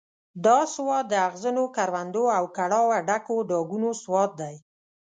دا سواد د اغزنو کروندو او کړاوه ډکو ډاګونو سواد دی.